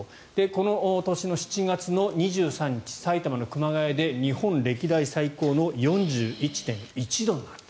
この年の７月２３日埼玉の熊谷で日本歴代最高の４１．１度となる。